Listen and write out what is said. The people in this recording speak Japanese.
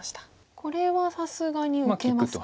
これはさすがに受けますか？